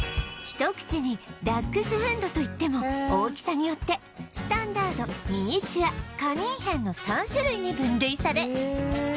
一口にダックスフンドといっても大きさによってスタンダードミニチュアカニンヘンの３種類に分類され